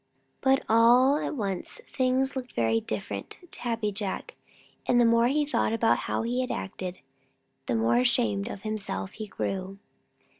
But all at once things looked very different to Happy Jack, and the more he thought about how he had acted, the more ashamed of himself he grew.